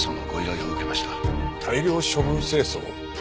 大量処分清掃？